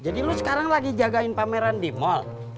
jadi lu sekarang lagi jagain pameran di mall